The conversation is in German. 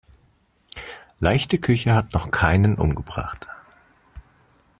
Leichte Küche hat noch keinen umgebracht.